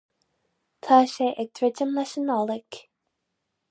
Tá sé ag druidim leis an Nollaig.